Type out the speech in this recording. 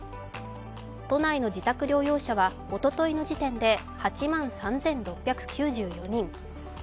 都内の自宅療養者はおとといの時点で８万３６９４人。